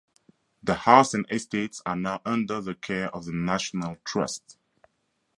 The house and estate are now under the care of the National Trust.